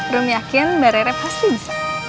rum yakin mbak rere pasti bisa